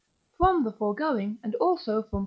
From the foregoing, and also from III.